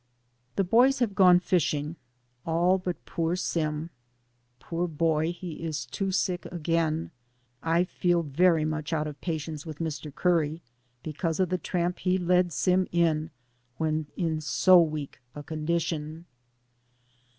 The boys have gone fishing, all but Sim. Poor boy he is too sick again. I feel very much out of patience with Mr. Curry, be cause of the tramp he led Sim when in so weak a condition.